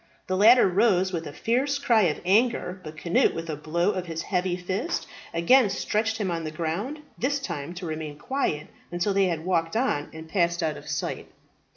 The latter rose with a fierce cry of anger; but Cnut with a blow of his heavy fist again stretched him on the ground, this time to remain quiet until they had walked on and passed out of sight.